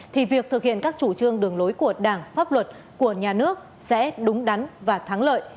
thì việc thực hiện các chủ trương đường lối của đảng pháp luật của nhà nước sẽ đúng đắn và thắng lợi